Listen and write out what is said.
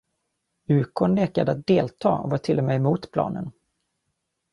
Ukon nekade att delta och var till och med emot planen.